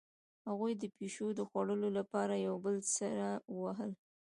هغوی د پیشو د خوړلو لپاره یو بل سره وهل